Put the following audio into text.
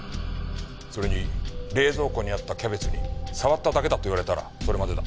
それに冷蔵庫にあったキャベツに触っただけだと言われたらそれまでだ。